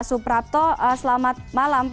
pak suprapto selamat malam